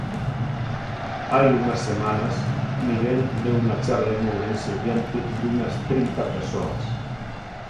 Hai unhas semanas, Miguel deu unha charla en Ourense diante dunhas trinta persoas.